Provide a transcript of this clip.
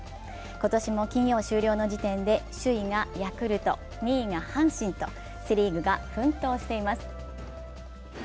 今年も金曜終了の時点で首位がヤルト、２位が阪神とセ・リーグが奮闘しています。